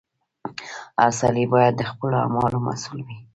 • هر سړی باید د خپلو اعمالو مسؤل وي.